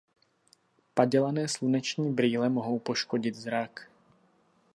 Padělané sluneční brýle mohou poškodit zrak.